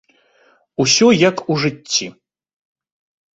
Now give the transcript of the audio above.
Усё, як у жыцці.